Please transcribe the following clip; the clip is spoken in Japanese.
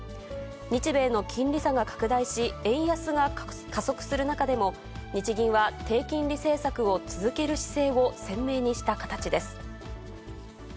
日米の金利差が拡大し、円安が加速する中でも、日銀は、低金利政策を続ける姿勢を鮮明にした形です。